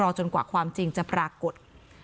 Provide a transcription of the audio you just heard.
จนกว่าความจริงจะปรากฏ